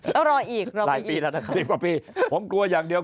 แล้วรออีกรอไปอีกนะครับ๑๐กว่าปีผมกลัวอย่างเดียว